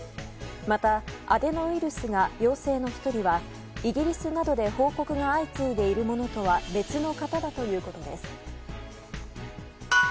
またアデノウイルスが陽性の１人はイギリスなどで報告が相次いでいるものとは別の型だということです。